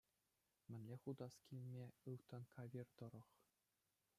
Мӗнле утас килмӗ ылтӑн кавир тӑрӑх!